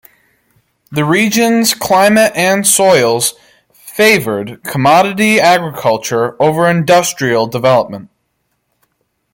The region's climate and soils favored commodity agriculture over industrial development.